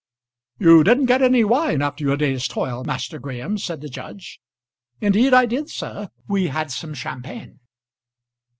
"You didn't get any wine after your day's toil, Master Graham," said the judge. "Indeed I did, sir. We had some champagne."